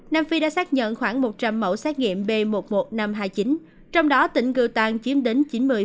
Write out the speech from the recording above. nam phi đã xác nhận khoảng một trăm linh mẫu xét nghiệm b một mươi một nghìn năm trăm hai mươi chín trong đó tỉnh gutan chiếm đến chín mươi